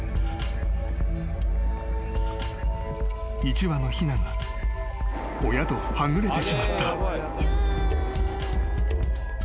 ［一羽のひなが親とはぐれてしまった］